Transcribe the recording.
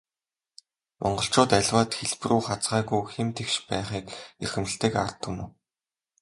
Монголчууд аливаад хэлбэрүү хазгайгүй, хэм тэгш байхыг эрхэмлэдэг ард түмэн.